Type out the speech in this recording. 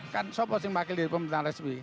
kan sobat yang maklum di pemerintahan resmi